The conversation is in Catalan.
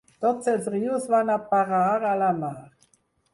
Tots els rius van a parar a la mar.